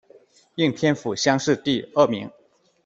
应天府乡试第二名。